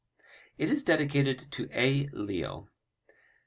It is dedicated to A. Leo.